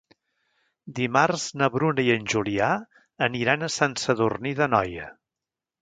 Dimarts na Bruna i en Julià aniran a Sant Sadurní d'Anoia.